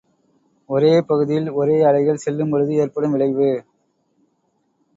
ஒரே பகுதியில் ஒரே அலைகள் செல்லும்பொழுது ஏற்படும் விளைவு.